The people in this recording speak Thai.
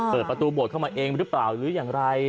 เปิดประตูโบสถเข้ามาเองหรือเปล่าหรืออย่างไร